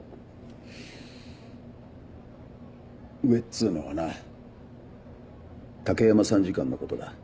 上っつうのはな武山参事官のことだ。